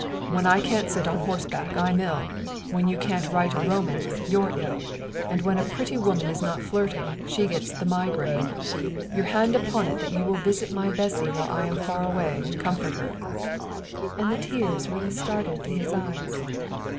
When I can't sit on horseback I'm ill, when you can't write a romance you're ill, and when a pretty woman is not flirting she gets the migraine. Your hand upon it that you will visit my Bessy while I am far away and comfort her!" And the tears really started to his eyes.